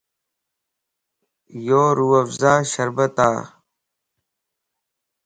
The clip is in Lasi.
يو روح افزاء شربت ا